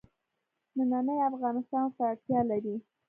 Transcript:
نننی افغانستان ورته اړتیا لري.